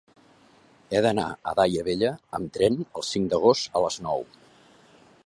He d'anar a Daia Vella amb tren el cinc d'agost a les nou.